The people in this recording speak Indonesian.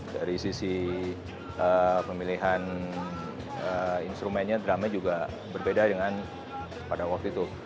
dari sisi pemilihan instrumennya drumnya juga berbeda dengan pada waktu itu